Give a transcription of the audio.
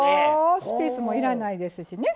スペースもいらないですしね